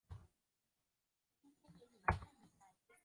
氯化铽可以形成无水物和六水合物。